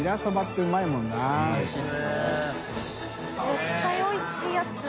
絶対おいしいやつ。